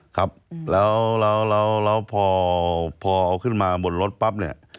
ครับแล้วพอเอาขึ้นมาบนรถปั๊บเนี่ย